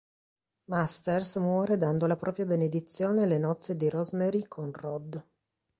Masters muore dando la propria benedizione alle nozze di Rosemary con Rod.